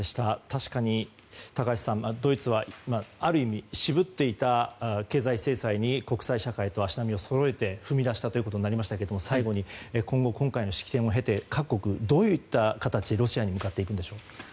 確かに、高橋さん、ドイツはある意味、渋っていた経済制裁に国際社会と足並みをそろえて踏み出したということになりましたが最後に今後、今回の式典を経て各国、どういった形でロシアに向かっていくのでしょう。